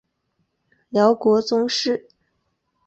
辽国宗室。